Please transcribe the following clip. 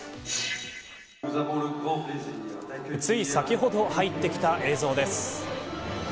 つい先ほど入ってきた映像です。